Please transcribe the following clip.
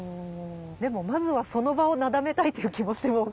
でもまずはその場をなだめたいという気持ちも大きいですよね？